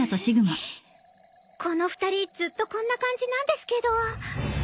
この２人ずっとこんな感じなんですけど。